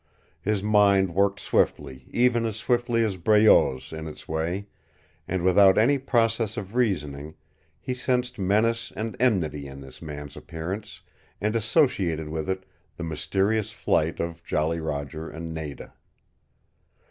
His mind worked swiftly, even as swiftly as Breault's in its way, and without any process of reasoning he sensed menace and enmity in this man's appearance, and associated with it the mysterious flight of Jolly Roger and Nada.